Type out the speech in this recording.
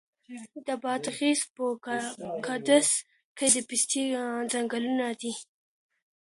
د بادغیس په قادس کې د پستې ځنګلونه دي.